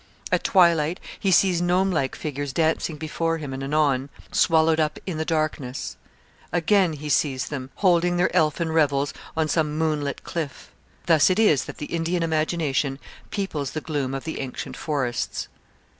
At twilight he sees gnomelike figures dancing before him and anon swallowed up in the darkness; again he sees them, holding their elfin revels on some moonlit cliff. Thus it is that the Indian imagination peoples the gloom of the ancient forests.